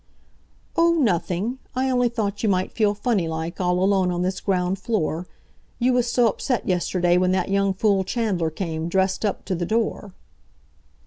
"Oh, nothing. I only thought you might feel funny like, all alone on this ground floor. You was so upset yesterday when that young fool Chandler came, dressed up, to the door."